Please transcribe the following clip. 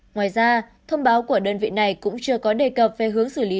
ngoài ra thông báo của đơn vị này cũng chưa có đề cập về hướng xử lý